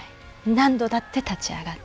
何度だって立ち上がって。